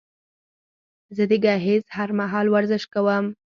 زه د ګهيځ هر مهال ورزش کوم